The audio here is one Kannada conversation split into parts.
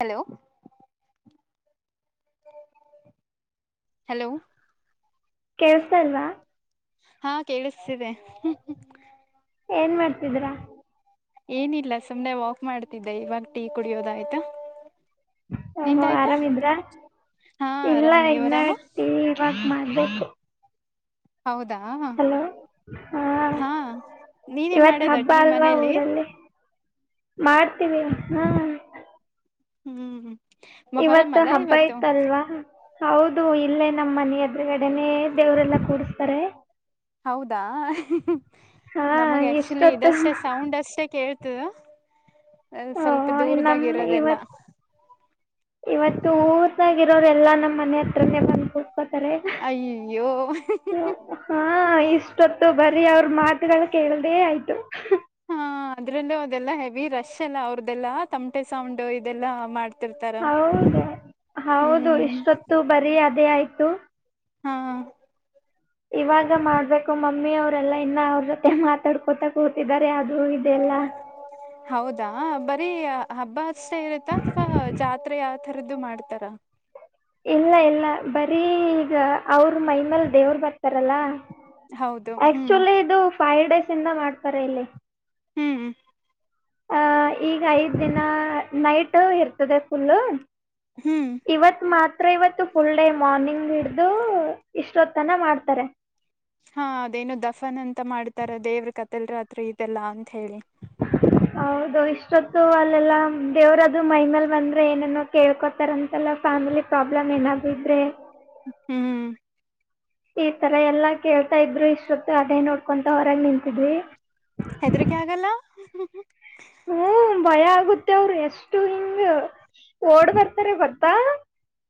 Hello hello. ಕೆಳಸ್ತಾಇಲ್ವಾ? ಹಾ ಕೇಳಿಸ್ತಿದೆ. ಏನ್ ಮಾಡ್ತಿದೀರಾ? ಏನಿಲ್ಲ ಸುಮ್ನೆ ವಾಕ್ ಮಾಡ್ತಿದ್ದೆ ಇವಾಗ ಟೀ ಕುಡಿಯೋದ ಆಯ್ತಾ. ಓಹೋ ಆರಾಮಿದ್ರ ಹಾ ಇಲ್ಲ ಆರಾಮ್ ನೀವ್ ಇನ್ನ ಆರಾಮ ಟಿ ವಾಕ್ ಮಾಡ್ಬೇಕು. ಹೌದಾ. ಹಲೋ ಹಾ ನೀವೇ ಇವತ್ ಮಾಡದ ಹಬ್ಬ ಟೀ ಅಲ್ವಾ ಮನೇಲಿ. ಊರಲ್ಲಿ ಮಾಡ್ತೀವಿ ಹ್ಮ. ಹೂ ಹ್ಮ್. ಮೊಹರಂ ಇವತ್ತು ಅಲ್ಲ ಹಬ್ಬ ಇವತ್ತು ಇತ್ತ ಅಲ್ವಾ? ಹೌದು ಇಲ್ಲೇ ನಮ್ಮ ಮನೆ ಎದುರುಗಡೆನೆೇ ದೇವರೆಲ್ಲಾ ಕೂಡಸ್ತಾರೆ. ಹೌದಾ ಹಾ ನಮಗ್ ಆಕ್ಚುಲಿ ಎಷ್ಟೊತ್ತು ಇದಷ್ಟೇ ಸೌಂಡ್ ಅಷ್ಟೇ ಕೇಳ್ತ ಇತ್ತು ಅದ ಸ್ವಲ್ಪ ಓಹೋ, ದೂರದಾಗ ನಮ್ ಇರೋದೆಲ್ಲ. ಇವತ್ ಇವತ್ತು ಊರದಾಗಿರೋರೆಲ್ಲ ನಮ್ಮ ಮನೆ ಹತ್ರನೇ ಬಂತು ಕೂ ಕೂತ್ಕೋತಾರೆ. ಅಯ್ಯೋ ಹಾ ಇಷ್ಟೊತ್ತು ಬರೀ ಅವ್ರ ಮಾತುಗಳು ಕೇಳೋದೇ ಆಯ್ತು. ಹಾ ಅದ್ರಲ್ಲೂ ಅದೆಲ್ಲಾ ಹೆವಿ ರಶ್ ಎಲ್ಲ ಅವ್ರದೆೆಲ್ಲಾ ತಮಟೆ ಸೌಂಡ್ ಇದೆಲ್ಲಾ ಮಾಡ್ತ - ಹೌದ ಹೌದು ಹ್ಮ್ ಇಷ್ಟೊತ್ತು ಬರಿ ಅದೇ ಆಯ್ತು. ಹಾ. ಇವಾಗ ಮಾಡ್ಬೇಕು ಮಮ್ಮಿ ಅವರೆಲ್ಲಾ ಇನ್ನ ಅವ್ರ ಜೊತೆ ಮಾತಾಡ್ಕೊತ ಕೂತಿದ್ದಾರೆ ಆದು ಇದೆಲ್ಲ ಹೌದಾ ಬರೀ ಹಬ್ಬ ಅಷ್ಟೇ ಇರುತ್ತಾ ಅಥವಾ ಜಾತ್ರೆ ತರದ್ದು ಮಾಡ್ತಾರಾ? ಇಲ್ಲ ಇಲ್ಲ ಬರೀ ಈಗ ಅವ್ರ ಮೈಮೇಲ್ ದೇವರು ಬರ್ತಾರಲ್ಲ. ಹೌದು ಹ್ಮ್ ಆಕ್ಚುಲಿ ಇದು ಫೈವ್ ಡೇಸ್ ಇಂದ ಮಾಡ್ತಾರೆ ಇಲ್ಲಿ. ಹ್ಮ. ಆಹ ಈಗ ಐದ್ ದಿನ ನೈಟ್ ಇರ್ತದೆ ಫುಲ್ ಹ್ಮ್ ಇವತ್ ಮಾತ್ರ ಇವತ್ತು ಫುಲ್ ಡೇ ಮಾರ್ನಿಂಗ್ ಹಿಡ್ದು ಇಷ್ಟೊತ್ತ ತನ ಮಾಡ್ತಾರೆ ಹಾ ಅದೇನು ದಫನ್ ಅಂತ ಮಾಡ್ತಾರ ದೇವ್ರ ಕಥಲ್ ರಾತ್ರಿ ಇದೆಲ್ಲಾ ಅಂತ ಹೇಳಿ [unintelligible] ಹೌದು ಇಷ್ಟೊತ್ತು ಅಲ್ಲೆಲ್ಲ ದೇವ್ರದು ಮೈ ಮೇಲೆ ಬಂದ್ರೆ ಏನೇನೋ ಕೇಳ್ಕೋತಾರಂತ ಎಲ್ಲ ಫ್ಯಾಮಿಲಿ ಪ್ರಾಬ್ಲಮ್ ಏನಾದ ಇದ್ರೆ ಹ್ಮ್ ಈ ತರ ಎಲ್ಲಾ ಕೇಳ್ತಾ ಇದ್ರು ಇಷ್ಟೊತ್ತು ಅದೇ ನೋಡ್ಕೊಂತ ಹೊರಗೆ ನಿಂತಿದ್ವಿ ಹೆದರಿಕೆ ಆಗಲ್ಲ ಹ್ಮ್ ಭಯ ಆಗುತ್ತೆ ಅವ್ರ ಎಷ್ಟು ಹಿಂಗ ಓಡ್ ಬರ್ತಾರ ಬರ್ತಾ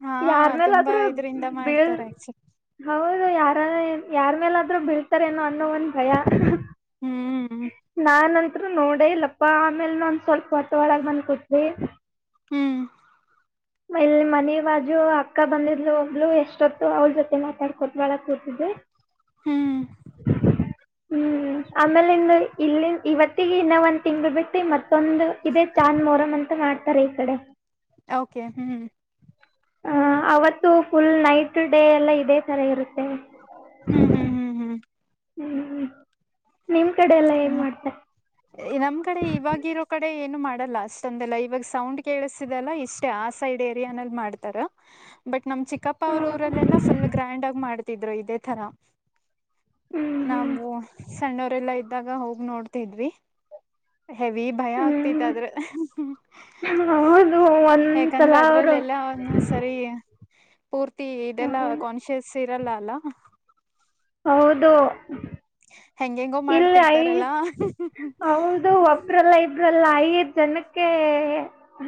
ಹಾ ಯಾರ ತುಂಬಾ ಮೇಲಾದ್ರೂ ಇದ್ರಿಂದ ಬೀಳ್ ಮಾಡ್ತಾರೆ ಆಕ್ಚುಲಿ ಹೌದು ಯಾರ ಯಾರ ಮೇಲಾದ್ರೂ ಬೀಳ್ತಾರೇನೋ ಅನ್ನೋ ಒಂದ ಭಯ ಹ್ಮ್ ಹ್ಮ್ ನಾನ್ಂತ್ ನೋಡ ಇಲ್ಲಪ್ಪಾ ಆಮೇಲ್ ನಂದ ಸ್ವಲ್ಪ ಹೊಟ್ಟ ಒಡಗ ಬಂದ ಕೊಟ್ರಿ ಹ್ಮ್ ಮಲ್ಲಿ ಮನೆ ಬಾಜು ಅಕ್ಕ ಬಂದಿದ್ಲು ಒಬ್ಬಳು ಎಷ್ಟೊತ್ತು ಅವ್ಳ ಜೊತೆ ಮಾತಾಡ್ಕೋತ ವಳಗ ಕೂತಿದೇ ಹ್ಮ್ ಹ್ಮ್ ಆಮೇಲೆ ಇಂದು ಇಲ್ಲಿ ಇವತ್ತಿಗೆ ಇನ್ನ ಒಂದ್ ತಿಂಗಳು ಬಿಟ್ಟು ಮತ್ತೊಂದು ಇದೇ.. ಚಾಂದ್ ಮೋರಮ್ ಅಂತ ಮಾಡ್ತಾರೆ ಈ ಕಡೆ. ಓಕೆ.. ಹ್ಮ್ ಹ ಅವತ್ತು ಫುಲ್ ನೈಟ್ ಡೇ ಎಲ್ಲ ಇದೇ ಥರ ಇರುತ್ತೆ.. ಹ್ಮ್ ಹ್ಮ ಹ್ಮ್.. ಹ್ಮ್ ಹ್ಮ್ ನಿಮ್ ಕಡೆ ಎಲ್ಲ ಹೆೇಂಗ ಮಾಡ್ತ.. ನಮ್ ಕಡೆ ಇವಾಗಿರೋ ಕಡೆ ಏನು ಮಾಡಲ್ಲ ಅಷ್ಟೊಂದೆಲ್ಲ ಇವಾಗ ಸೌಂಡ್ ಕೇಳಸಿದೆಲ್ಲ ಇಷ್ಟ.. ಆ ಸೈಡ್ ಏರಿಯಾನಲ್ಲಿ ಮಾಡ್ತಾರ ಬಟ್ ನಮ್ ಚಿಕ್ಕ.. ಅಪ್ಪ ಅವ್ರ ಹೌದಾ ಊರಲ್ಲೆಲ್ಲ ಫುಲ್ ಗ್ರ್ಯಾಂಡ್ ಆಗಿ ಮಾಡ್ತಿದ್ರು ಇದೇ ತರ.. ಹ್ಮ್ ಹ್ಮ್ ನಾವು ಸಣ್ಣವರೆಲ್ಲಾ ಇದ್ದಾಗ ಹೋಗಿ ನೋಡ್ತಿದ್ವಿ.. ಹೆವಿ ಭಯ ಹ್ಮ್ ಆಗ್ತತ್ ಆದ್ರೆ.. ಹ್ಮ್ ಹೌದು ಒಂದ್ಸಲ ಯಾಕಂದ್ರೆ ಅವ್ರು ಅದ್ರಲ್ಲೆಲ್ಲಾ. ಸರಿ ಪೂರ್ತಿ ಇದೆಲ್ಲಾ ಹೌದು ಕಾನ್ಷಿಯಸ್ ಇರಲ್ಲ ಅಲ್ಲ. ಹೌದು. ಹೆಂಗ ಹೆಂಗೋ ಇಲ್ಲಿ ಮಾಡ್ತಿರ್ತಾರಲ್ಲ. ಇಬ್ರಲ್ಲ ಇಬ್ರಲ್ಲ ಐದ ಜನಕ್ಕೆ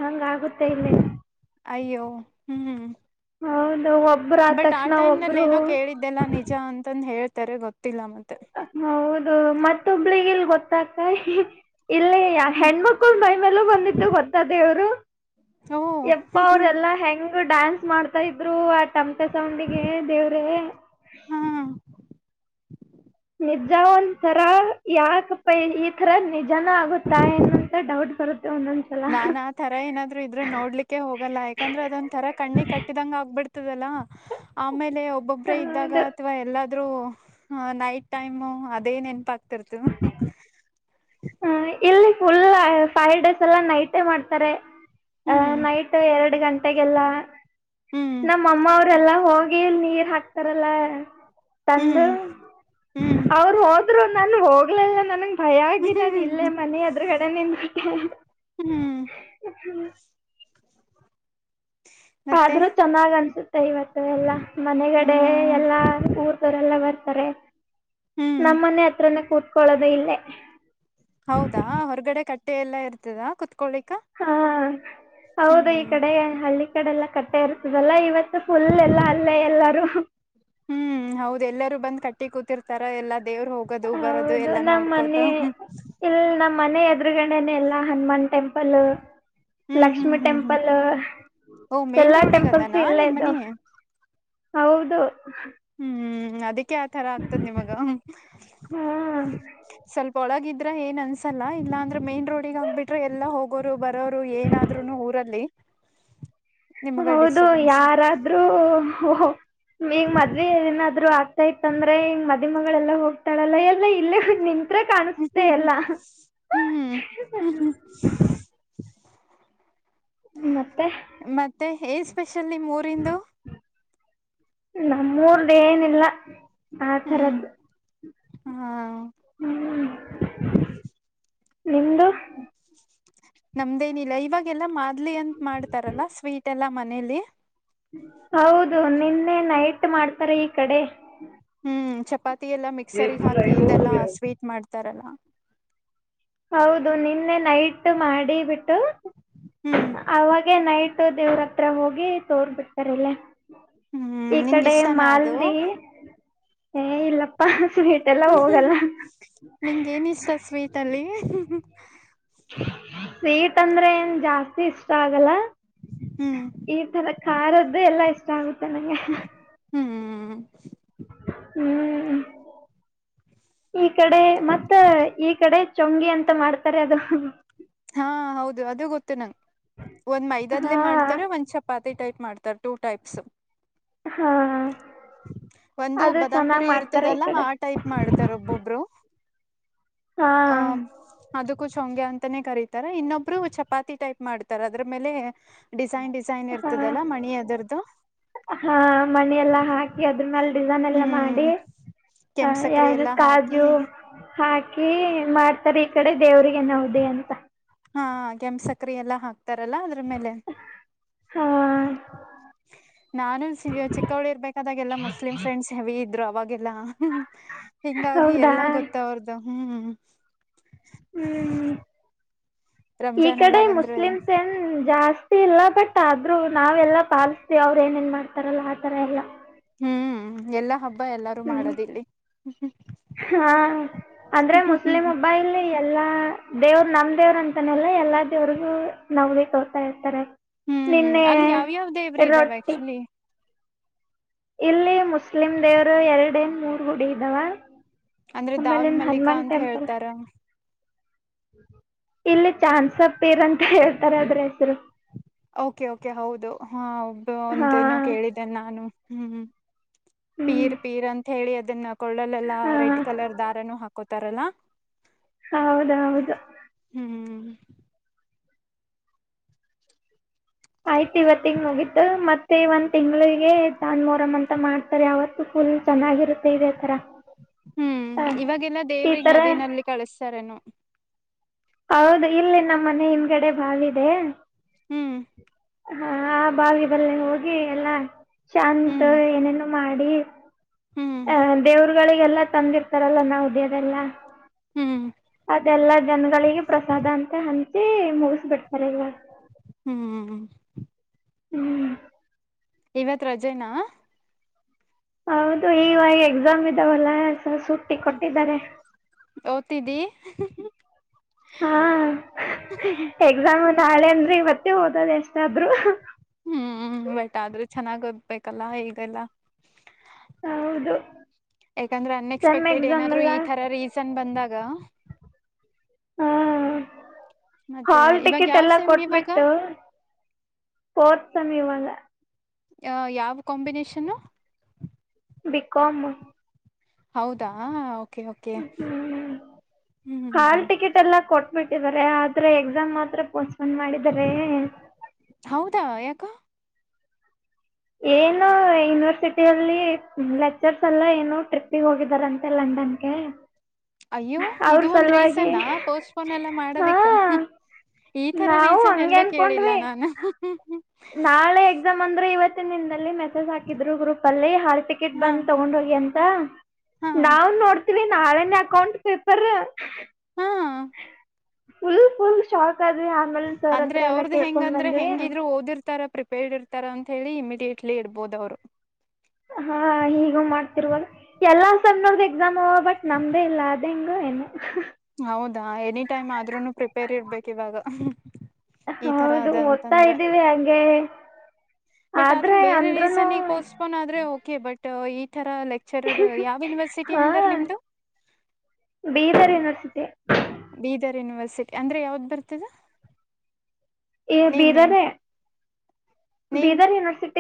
ಹಂಗ ಆಗುತ್ತೆ ಇಲ್ಲಿ.. ಅಯ್ಯೋ ಹ್ಮ್ ಹ್ಮ. ಹೌ ಹೌ. ಬಟ್ ಆ ಟೈಮ್ ನಲ್ಲಿ ಏನೋ ಕೇಳಿದ್ದೆಲ್ಲಾ ನಿಜ ಅಂತಂದು ಹೇಳ್ತಾರೆ ಗೊತ್ತಿಲ್ಲ ಮತ್ತೆ. ಹೌದು ಮತ್ತೊಬ್ಳಿಗೆ ಇಲ್ ಗೊತ್ತಾಗ್ತ ಇಲ್ಲೇ ಹ್ಮ್ ಹೆಣ್ಮಕ್ಕಳ ಬ. ಮೇಲ ಬಂದಿತ್ತು ಗೊತ್ತ ದೇವರು ಓ ಎಪ್ಪ ಅವರೆಲ್ಲಾ ಹೆಂಗ ಡ್ಯಾನ್ಸ್ ಮಾಡ್ತಾ ಇದ್ರು ಆ ಟಮತೆ ಸೌಂಡಿಗೆ ದೇವ್ರೇ ಹಾ ನಿಜ ಒಂದ್ ತರ ಯಾಕ ಪೈ ಈ ತರ ನಿಜಾನ ಆಗುತ್ತಾ ಏನಂತ ಡೌಟ್ ಸ ಒ [unintelligible] ನಾನಾ ತರ ಏನಾದ್ರು ಇದ್ರೆ ನೋಡ್ಲಿಕ್ಕೆ ಹೋಗಲ್ಲ ಯಾಕಂದ್ರೆ ಅದೊಂದ್ ತರ ಕಣ್ಣಿ ಕಟ್ಟಿದಂಗ ಆಗ್ಬಿಡ್ತದಲ್ಲ ಆಮೇಲೆ ಒಬ್ಬೊಬ್ರೇ ಇದ್ದಾಗ ಹೌದು ಅಥವಾ ಎಲ್ಲಾದ್ರೂ ನೈಟ್ ಟೈಮು ಅದೇ ನೆನಪ ಅಗ್ತ [unintelligible] ಹ ಇಲ್ಲಿ ಫುಲ್ ಫೈಡೆಸ್ ಎಲ್ಲ ನೈಟೇ ಮಾಡ್ತಾರೆ ಅ ಹ್ಮ್ ನೈಟ್ ಎರಡ್ ಗಂಟೆಗೆಲ್ಲ ಹ್ಮ್ ನಮ್ಮ ಅಮ್ಮ ಅವ್ರೆಲ್ಲಾ ಹೋಗಿ ನೀರ್ ಹಾಕ್ತಾರಲ್ಲ ತಂದ ಹ್ಮ್ ಹ್ಮ್ ಅವರು ಹೋದ್ರು ನಾನ್ ಹೋಗ್ಲೆ ಇಲ್ಲ ನನಗೆ ಭಯ ಆಗಿ ನಾನ್ ಇಲ್ಲೇ ಹ್ಮ್ ಮನ ಎದ್ರಗಡೆ ನನ್ನಿಂದ ಹ್ಮ್ [unintelligible] ಮತ್ತೆ ಆದ್ರೂ ಚೆನ್ನಾಗ್ ಅನ್ಸುತ್ತೆ ಇವತ್ತು ಎಲ್ಲಾ ಹ ಮನೆಗಡೆ ಎಲ್ಲಾ ಊರ ಅವರೆಲ್ಲ ಬರ್ತಾರೆ ಹ್ಮ್ ನಮ್ಮನೆ ಹತ್ರಾನೇ ಕೂತ್ಕೊಳ್ಳೋದು ಇಲ್ಲೇ. ಹೌದಾ ಹೊರಗಡೆ ಕಟ್ಟೆ ಎಲ್ಲ ಇರ್ತದ ಕುತ್ಕೋಳಿಕ. ಹಾ ಹೌದು ಕಡೆ ಹಳ್ಳಿ ಕಡೆ ಎಲ್ಲ ಕಟ್ಟೆ ಇರ್ತದಲ್ಲ ಇವತ್ತು ಫುಲ್ ಎಲ್ಲ ಅಲ್ಲೇ ಎಲ್ಲಾರೂ ಹ್ಮ್ ಹೌದ ಎಲ್ಲರೂ ಬಂದ್ ಕಟ್ಟಿ ಕೂತಿರ್ತಾರ ಎಲ್ಲಾ ದೇವ್ರು ಹೋಗ ಹೊಗದು ಬರದು ಹೌದು ಎಲ್ಲಾ ನಮ್ ನೋಡ್ಕೋತ ಮನೆ ಹು ಇಲ್ ನಮ್ಮ್ ಮನೆ ಎದುರುಗಡೆನೆ ಎಲ್ಲಾ ಹನುಮಾನ್ ಟೆಂಪಲ್ ಹ್ಮ್ ಹ್ಮ್ ಲಕ್ಷ್ಮೀ ಹ್ಮ್ ಹ್ಮ್ ಟೆಂಪಲ್ ಓ ಮೇನ್ ಎಲ್ಲಾ ರೋಡಿಗ ಅದಾನ ಟೆಂಪಲ್ಸು ಇಲ್ಲ ನಿಮ್ ಮನಿ ಇದಾವ್. ಹೌದು ಹ್ಮ್ ಅದಕ್ಕೆ ಆತರ ಆಗ್ತದ ನಿಮಗ ಹ್ಮ ಸ್ವಲ್ಪ ಒಳಗಿದ್ [unintelligible] ಏನ್ ಅನ್ಸಲ್ಲ ಇಲ್ಲಾಂದ್ರೆ ಮೆನ್ ರೋಡಿಗ್ ಆಗ್ಬಿಟ್ರೆ ಎಲ್ಲಾ ಹೋಗೋರು ಬರೋರು ಏನಾದ್ರೂನು ಊರಲ್ಲಿ ನಿಮ್ಗ ಹೌದು ಡಿಸ್ಟರ್ಬೆನ್ಸ್ ಯಾರಾದ್ರೂ ಓಹೋ ಈಗ ಮದ್ವೆ ಏನಾದ್ರು ಆಗ್ತಾ ಇತ್ತ ಅಂದ್ರೆ ಹಿಂಗ ಮದು ಮಗಳಲ್ಲ ಹೋಗ್ತಾಳಲ್ಲ ಎಲ್ಲಾ ಇಲ್ಲೇ ಬಂದ್ ನಿನ್ [unintelligible] ಹ್ಮ್ ಕಾಣಿಸುತ್ತೆ ಎಲ್ಲ ಹ್ಮ್ [inaudible] ಹು ಮತ್ತೆ ಮತ್ತೆ ಏನ್ ಸ್ಪೆಷಲ್ ನಿಮ್ಮೂರಿಂದು. ನಮ್ಮೂರ್ ಏನಿಲ್ಲ ಆ ಹ್ಮ್ ತರದ್ದು ಹಾ. ಹ್ಮೂ [inaudible] ನಿಮ್ದು [inaudible] ನಮ್ದೇನಿಲ್ಲ ಇವಾಗೆಲ್ಲಾ ಮಾತ್ ಇಡ್ಲಿ ಅಂತ ಮಾಡ್ತಾರಲ್ಲ ಸ್ವೀಟ್ ಎಲ್ಲ ಮನೇಲಿ ಹೌದು ನಿನ್ನೆ ನೈಟ್ ಮಾಡ್ತಾರೆ ಈ ಕಡೆ ಹ್ಮ್ ಚಪಾತಿ ಎಲ್ಲಾ ಮಿಕ್ಸರ್ ಹಾಕಿ ಇದೆಲ್ಲಾ ಸ್ವೀಟ್ ಮಾಡ್ತಾರಲ್ಲಾ ಹೌದು ನಿನ್ನೆ ನೈಟ್ ಮಾಡಿ ಬಿಟ್ಟು ಹ್ಮ್. ಅವಾಗೆ ನೈಟ್ ದೇವ್ರತ್ರ ಹೋಗಿ ತೋರ್ ಬಿಡ್ತಾರಲ್ಲ ಇಲ್ಲೆ. ಹ್ಮ್ ಈ ನಿಂಗ ಕಡೆ ಇಷ್ಟನಾ ಅದು ಮಾಲ್ದಿ ಏ ಇಲ್ಲಪ್ಪ ಸ್ವೀಟ್ ಎಲ್ಲ ಹ್ಮ್ ಹೋಗಲ್ಲ ಹ್ಮ್ ನಿಂಗೆನ್ ಇಷ್ಟ ಸ್ವೀಟ್ ಅಲ್ಲಿ ಹ್ಮ್ ಹ್ಮು. ಸೀಟ್ ಅಂದ್ರೆ ಏನ್ ಜಾಸ್ತಿ ಇಷ್ಟ ಆಗಲ್ಲ ಹ್ಮು. ಈ ತರ ಖಾರದ್ದ ಎಲ್ಲಾ ಇಷ್ಟ ಆಗುತ್ತೆ ನಂಗೆ ಹ್ಮೂ. ಹ್ಮ್ ಈ ಕಡೆ ಮತ್ತ ಈ ಕಡೆ ಶೊಂಗಿ ಅಂತ ಮಾಡ್ತಾರೆ ಅದು ಹಾ ಹೌದು ಅದು ಗೊತ್ತು ನಂಗೆ ಒಂದ್ ಹಾ ಮೈದಾದ್ಲೆೇ ಮಾಡ ತರ ಒಂದ್ ಚಪಾತಿ ಟೈಪ್ ಮಾಡ್ತಾರೆ ಟೂ ಟೈಪ್ಸ್ ಹಾ ಒಂದು ಅದು ಬದಾಮ್ ಚೆನ್ನಾಗ್ ಪುರಿ ಮಾಡ್ತಾರೆ ಈ ಇರ್ತದಲ್ಲಾ ಆ ಕಡೆ ಟೈಪ್ ಮಾಡ್ತಾರ ಒಬ್ಬೊಬ್ರು ಹಾ ಹ ಅದಕ್ಕೂ ಶಂಗೆ ಅಂತಾನೇ ಕರೀತಾರ ಇನ್ನೊಬ್ರು ಚಪಾತಿ ಟೈಪ್ ಮಾಡ್ತಾರ ಅದ್ರ ಮೇಲೆ ಡಿಸೈನ್ ಡಿಸೈನ್ ಹಾ ಇರ್ತದಲ್ಲಾ ಮಣಿ ಅದರದ್ದು ಹಾ ಮನ ಎಲ್ಲಾ ಹಾಕಿ ಅದ್ರ ಮ್ಯಾಲ ಹ್ಮ್ ಡಿಸನ್ಲಮಾಡಿ ಹ ಕೆಂಪ್ ಸಕ್ಕರೆ ಯಾರು ಎಲ್ಲಾ ಹಾಕಿ ಕಾಜು ಹಾಕಿ ಮಾಡ್ತಾರೆ ಈ ಕಡೆ ದೇವ್ರಿಗೆ ನೌದಿ ಅಂತ ಹಾ ಕೆಂ ಸಕರೆ ಎಲ್ಲ ಹಾಕ್ತಾರಲ್ಲ ಅದ್ರ ಮೇಲೆ ಹಾ ನಾನು ಚಿಕ್ಕೋಳ್ಳಿ ಇರ್ ಬೇಕಾದಾಗ ಎಲ್ಲ ಮುಸ್ಲಿಂ ಫ್ರೆಂಡ್ಸ್ ಹೆವಿ ಇದ್ರು ಅವಾಗ ಲ್ಲಹಿಂಗಾಗಿ ಹೌದಾ ಎಲ್ಲಾ ಗೊತ್ತ ಅವ್ರದು ಹ್ಮ್ ಹ್ಮ್ ಈ ರಂಜಾನ್ ಎಲ್ಲಾ ಕಡೆ ಬಂದ್ರೆ ಮುಸ್ಲಿಮ್ಸ್ ಏ ಹ್ಮ್ ಜಾಸ್ತಿ ಇಲ್ಲ ಬಟ್ ಆದ್ರೂ ನಾವೆಲ್ಲ ಪಾಲಿಸ್ತೀವಿ ಅವ್ ಏನೇನ್ ಮಾಡ್ತಾರಲ್ಲ ಆತರ ಎಲ್ಲ ಹ್ಮ್ ಎಲ್ಲಾ ಹಬ್ಬ ಎಲ್ಲಾ ಹ್ಮ್ ಹಾ ಅಂದ್ರೆ ಮುಸ್ಲಿಮ ಹಬ ಇಲ್ಲಿ ಎಲ್ಲಾ ದೇವ್ರ ನಮ್ ದೇವ್ರ ಅಂತಾನಲ್ಲ ಎಲ್ಲಾ ದೇವ್ರಿಗೂ ನವಲಿ ತೋತಾ ಇರ್ತಾರೆ ಹ್ಮ್ ನಿನ್ನೆ ಅಲ್ಲಿ ಯಾವ್ಯಾವ ದೇವ್ರ ಇದಾವೆ ರೊಟ್ಟಿ ಆಕ್ಚುಲಿ ಇಲ್ಲಿ ಮುಸ್ಲಿಮ ದೇವರು ಎರಡೇ ಮೂರು ಹುಡಿ ಇದ್ದಾವ ಅಂದ್ರೆ ಆಮೇಲೆ ದಾವಲ್ ಮಲ್ಲಿಕಾ ಹನುಮಾನ್ ಅಂತ ಟೆಂಪಲ್ ಹೇಳ್ತಾರ ಇಲ್ಲಿ ಚಾನ್ಸರಂತ ಹೇಳ್ತಾರೆ ಅದ್ರ ಹೆಸರು ಓಕೆ ಓಕೆ ಹೌದು ಹಾ ಒಬ ಹಾ ಒಂದೇನೋ ಕೇಳಿದ್ದೇನೆ ನಾನು ಹ್ಮ್ ಹ್ಮ್ ಪೀರ್ ಪೀರ್ ಅಂತ ಹೇಳಿ ಅದನ್ನ ಕೊಳ್ಳಲೆಲ್ಲಾ ಹಾ ರೆಡ್ ಕಲರ್ ದಾರನು ಹಾಕೋತಾರಲ್ಲಾ ಹೌದ ಹೌದು ಹ್ಮ್ ಆಯ್ತ ಇವತ್ತುಗ ನಗತ್ತು ಮತ್ ಮತ್ತೆ ಒಂದ್ ತಿಂಗಳಿಗೆ ದನ್ ಮೋರಮ್ ಅಂತ ಮಾಡ್ತಾರೆ ಅವತ್ತು ಫುಲ್ ಚೆನ್ನಾಗಿರುತ್ತೆ ಇದೇ ತರ ಹ್ಮ್ ಹ ಇವಾಗೆಲ್ಲಾ ಈ ದೇವ್ರಗೆ ತರ ನದಿನಲ್ಲಿ ಕಳಸ್ತಾರನು ಹೌದು ಇಲ್ಲಿ ನಮ್ಮ ಮನೆ ಹಿಂದಗಡೆ ಬಾವಿ ಇದೆ ಹ್ಮ್ ಹಾ ಬಾವಿ ಬಲ್ಲ ಹೋಗಿ ಎಲ್ಲಾ ಶಾಂತ ಹ್ಮ್ ಏನೇನು ಮಾಡಿ ಹ್ಮ್ ದೇವ್ರುಗಳಿಗೆಲ್ಲಾ ತಂದಿರ್ತಾರಲ್ಲ ನಾವು ದೇವರಲ್ಲ ಹ್ಮ್ ಅದೆಲ್ಲಾ ಜನಗಳಿಗೆ ಪ್ರಸಾದ ಅಂತ ಹಂಚಿ ಮುಗಿಸ್ಬಿಡ್ತಾರೆ ಇವಾಗ ಹ್ಮ್ ಹ್ಮ್ ಇವತ್ ರಜೆನಾ ಹೌದು ಈವಾಗಿಗ ಎಕ್ಸಾಮ್ ಇದ್ದಾವಲ್ಲ ಸ ಸುಟ್ಟಿ ಕೊಟ್ಟಿದ್ದಾರೆ ಓತಿದ್ದಿ ನಾವು ನಾಳೆ ಅಂದ್ರೆ ಇವತ್ತೇ ಓದದ ಎಷ್ಟಾದ್ರು ಹ್ಮ್ ಬಟ್ ಆದ್ರೂ ಚೆನ್ನಾಗ್ ಓದ್ಬೇಕಲ್ಲ ಈಗೆಲ್ಲ ಹೌದು ಯಾಕಂದ್ರೆ ಅನ್ಎಕ್ಸ್ಪೆಕ್ಟೆಡ್ ಏನಾದ್ರು ಈ ತರ ರೀಸನ್ ಬಂದಾಗ ಹ್ಮ ಮತ್ತೆ ಹಾಲ್ ಇವಾಗ ಟಿಕೆಟ್ ಯಾವ್ ಎಲ್ಲ ಸೇಮ್ ಇವಾಗ ಕೊಟ್ಬಿಟ್ಟು ಪೋರತ್ ಸೇಮ್ ಇವಾಗ ಯಾವ ಕಾಂಬಿನೇಷನ್ನು ಬಿಕಮ ಹೌದಾ ಓಕೆ ಓಕೆ ಹ್ಮ್ ಹ್ಮ್ ಎಲ್ಲ ಕೊಟ್ಬಿಟ್ಟಿದ್ದಾರೆ ಆದ್ರೆ ಎಕ್ಸಾಮ್ ಮಾತ್ರ ಪೋಸ್ಟ್ಪೋನ್ ಮಾಡಿದಿದ್ದಾರೆ ಹೌದಾ ಯಾಕ ಏನು ಯೂನಿವರ್ಸಿಟಿಯಲ್ಲಿ ಲೆಕ್ಚರ್ಸ್ ಎಲ್ಲ ಏನು ಟ್ರಿಪ್ಪಿಗೆ ಹೋಗಿದಾರಂತೆ ಲಂಡನ್ಗೆ ಅಯ್ಯೋ ಅವ್ರ ಇದು ಒಂದ್ ಸಲುವಾಗಿ ರೀಸನ್ ಪೋಸ್ಟ್ಪೋನ್ ಎಲ್ಲ ಹಾ ಮಾಡದಕ್ಕ ಈ ತರ ನಾವು ರೀಸನ್ ಹಂಗೆ ಎಲ್ಲೂ ಕೇಳಿಲ್ಲ ಅನ್ಕೊಂಡ್ವಿ ನಾನು ನಾಳೆ ಎಕ್ಸಾಮ್ ಅಂದ್ರೆ ಇವತ್ತಿನ ದಿನದಲ್ಲಿ ಮೆ ಹಾಕಿದ್ರು ಗ್ರೂಪ್ ಅಲ್ಲಿ ಹಾ ಟಿಕೆಟ್ ಹಾ ಬಂದ ತಗೊಂಡ್ ಹೋಗಿ ಅಂತ ಹಾ ನಾವ್ ನೋಡ್ತೀವಿ ನಾಳನೇ ಅಕೌಂಟ್ ಪೇಪರ್ ಹ್ಮ ಫುಲ್ ಫುಲ್ ಶಪ್ ಸರಿ ಆಮೇಲೆ ಸರ್ ಅಂದ್ರೆ ಹತ್ರ ಎಲ್ಲಾ ಅವ್ರದ ಹೆಂಗ ಕೇಳ್ಕೊಂಡ್ ಅಂದ್ರೆ ಬಂದ್ವಿ ಹೆಂಗಿದ್ರು ಓದಿರ್ತಾರ ಪ್ರಿಪೇರ್ಡ್ ಇರ್ತ ಇತಾರ ಅಂತ ಹೇಳಿ ಇಮಿಡಿಯೇಟ್ಲಿ ಇಡ್ಬಹದು ಅವ್ರು ಹಾ ಹೀಗ ಮಾಡ್ತಿರ್ರುವ ಎಲ್ಲ ಸಣ ನೋರ್ಧೋ ಎಕ್ಸಾಮ್ ಬಟ್ ನಮ್ದೇ ಇಲ್ಲ ಅದ ಹೆಂಗು ಏನು ಹೌದಾ ಎನಿ ಟೈಮ್ ಆದ್ರೂನು ಪ್ರಿಪೇರ್ ಇರ್ಬೇಕು ಇವಾಗ ಈ ತರ ಹೌದು ಅದ ಓದ್ತಾ ಅಂತಂದ್ರೆ ಇದ್ದೀವಿ ಹಂಗೆ ಬಟ್ ಆದ್ರೆ ಆದ್ರೂ ಬೇರೆ ಅಂದ್ರೂನು ರೀಸನ್ ಗೋಸ್ಕಾ ಫೋನ್ ಆದ್ರೆ ಓಕೆ ಬಟ್ ಈ ತರ ಲೆಕ್ಚರರ್ ಯಾವ್ ಯುನಿವರ್ಸಿಟಿ ಹಾ ಅಂಡರ್ ನಿಮ್ದು ಬೀದರ್ ಯೂನಿವರ್ಸಿಟಿ ಬೀದರ್ ಯುನಿವರ್ಸಿಟಿ ಅಂದ್ರೆ ಯಾವ್ದ್ ಬರ್ತದ ಈ name name Bidar name Bidar university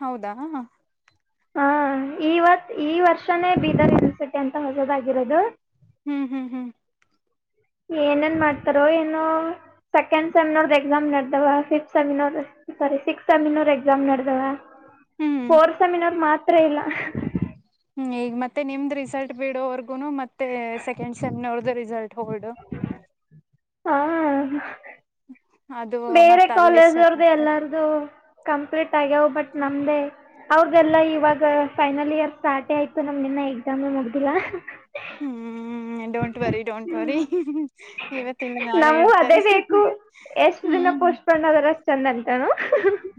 ಹೌದಾ ಹಾ ಈವತ್ ಈ ವರ್ಷನೇ ಬೀದರ್ ಯನಿವರ್ಸಿಟಿ ಅಂತ ಹೊಸದಾಗಿರೋದು ಹ್ಮ್ ಹ್ಮ್ ಹ್ಮ್ ಏನೇಏನ್ ಮಾಡ್ತಾರೋ ಏನೋ ಸೆಕೆಂಡ್ ಸೆಮಿನೋರ್ ಎಕ್ಸಾಮ್ ನಡದವ ಫಿಫ್ ಸೆಮಿನೋರ್ ಸಾರಿ ಸಿಕ್ಸ್ತ್ ಸೆಮಿನೋರ್ ಎಕ್ಸಾಮ್ ನಡೆದವ ಹ್ಮ್ ಫೋರ್ ಸೆಮಿನಾರ್ ಮಾತ್ರ ಇಲ್ಲ ಹ್ಮ್ ಈಗ ಮತ್ತೆ ನಿಮ್ದ್ ರಿಸಲ್ಟ್ ಬಿಡು ಅವರ್ಗ್ ಮತ್ತೆ ಸೆಕೆಂಡ್ ಸೆಮ್ ನ ಅವರ್್ದ ರಿಸಲ್ಟ್ ಹೊಡ್ ಹಾ ಅದು ಬೇರೆ ಮತ್ತ ಅಲ್ಲಿ ಸ್ಟಾರ್ಟ್ ಕಾಲೇಜ್ರ್ದು ಆಗ್ತದ ಎಲ್ಲಾರದು ಕಂಪ್ಲೀಟ್ ಆಗ್ಯವು ಬಟ್ ನಮ್ದೇ ಅವ್ರದೆಲ್ಲಾ ಇವಾಗ ಫೈನಲ್ ಇಯರ್ ಸ್ಟಾರ್ಟೇ ಆಯ್ತು ನಮ್ ನಿನ್ನ ಎಕ್ಸಾಮೇ ಮುಗ್ದಿಲ್ಲ ಹ್ಮ್ ಡೋಂಟ್ ವರಿ ಡೋಂಟ್ ವರಿ ಇವತ್ತಲ್ಲ ನಾಳೆ ನಮಗೂ ಇಡ್ತಾರೆ ಹ್ಮ್ ಸೋ ನಾವೆಲ್ಲ ಚಂದ ಅಂತಾ ಹೇಳು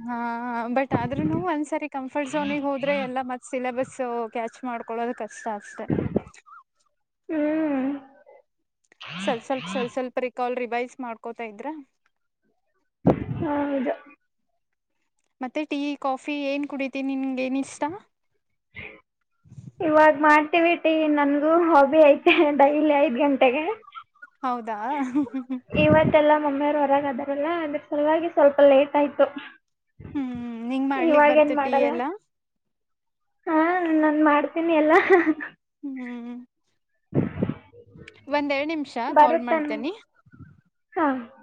ಹಾ ಬಟ್ ಆದ್ರೂನು ಒಂದ್ಸರಿ ಕಂಫರ್ಟ್ ಝೋನಗ್ ಹೋದ್ರೆ ಎಲ್ಲ ಮ ಸಿಲೆಬಸ್ ಕ್ಯಾಚ್ ಮಾಡ್ಕೊಳ್ಳೋದು ಕಷ್ಟ ಅಷ್ಟೇ ಹ್ಮ್ ಸ್ವಲ್ ಸ್ವಲ್ಪ ಸ್ವಲ್ ಸ್ವಲ್ಪ ರಿಕಾಲ್ ರಿವೈಸ್ ಮಾಡ್ಕೋತಾ ಇದ್ರ ಹೌದು ಮತ್ತೆ ಟೀ ಕಾಫಿ ಏನ್ ಕುಡಿತ ನಿನ್ಗ ಏನ್ ಇಷ್ಟ [unintelligible] ಇವಾಗ ಮಾಡ್ತೀವಿಟೀ ನನಗೂ ಹಾಬಿ ಐತೆ ಡೈಲಿ ಐದು ಗಂಟೆಗೆ ಹೌದಾ ಇವತ್ತಲ್ಲಾ ಮೊಮ್ಮೆಯವರು ಹೊರಗೆ ಅದಾರಲ್ಲ ಅಂದ್ರೆ ಸಲುವಾಗಿ ಸ್ವಲ್ಪ ಲೇಟ್ ಆಯ್ತು ಹ್ಮ್ ನಿಂಗ್ ಮಾಡ್ಲಿಕ್ ಬರ್ತ ಇವಾಗೇನ್ ಟೀ ಮಾಡಲ್ಲ ಎಲ್ಲ ಹಾ ನನ್ ಮಾಡ್ತೀನಿ ಎಲ್ಲಾ ಹ್ಮ್ ಹ್ಮ್ ಒಂದೆರಡು ನಿಮಿಷ ಕಾಲ್ ಬರುತ್ತಾನ ಮಾಡ್ತೇನಿ ಹಾ [unintelligible]